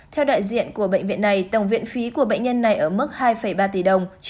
theo đại diện của bệnh viện này tổng viện phí của bệnh nhân này ở mức hai ba tỷ đồng